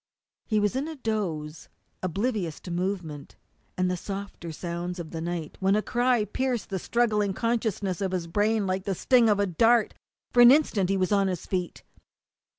He was in a doze, oblivious to movement and the softer sounds of the night, when a cry pierced the struggling consciousness of his brain like the sting of a dart. In an instant he was on his feet.